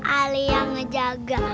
ali yang ngejaga